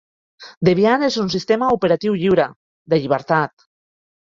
Debian és un sistema operatiu lliure, de llibertat.